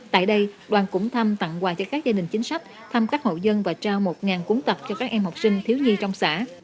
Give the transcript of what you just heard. tại đây đoàn cũng thăm tặng quà cho các gia đình chính sách thăm các hậu dân và trao một cuốn tập cho các em học sinh thiếu nhi trong xã